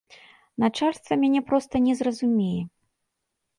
Начальства мяне проста не зразумее.